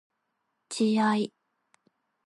自愛